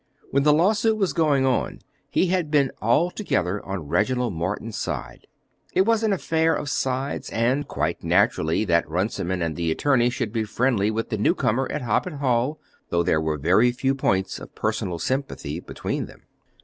When the law suit was going on he had been altogether on Reginald Morton's side. It was an affair of sides, and quite natural that Runciman and the attorney should be friendly with the new comer at Hoppet Hall, though there were very few points of personal sympathy between them.